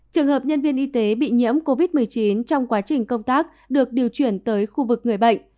trường hợp nhân viên y tế bị nhiễm covid một mươi chín trong quá trình công tác được điều chuyển tới khu vực người bệnh